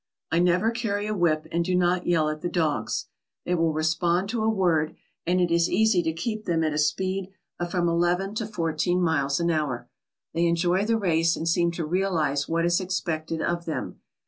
I never carry a whip and do not yell at the dogs. They will respond to a word, and it is easy to keep them at a speed of from eleven to fourteen miles an hour. They enjoy the race and seem to realize what is expected of them.